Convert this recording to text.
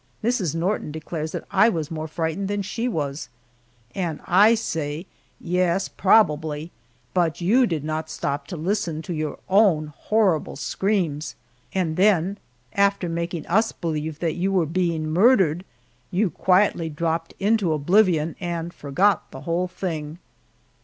Mrs. Norton declares that I was more frightened than she was, and I say, "Yes, probably, but you did not stop to listen to your own horrible screams, and then, after making us believe that you were being murdered, you quietly dropped into oblivion and forgot the whole thing."